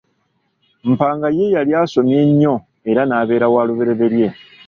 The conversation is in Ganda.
Mpanga ye yali asomye nnyo era n'abeera walubereberye.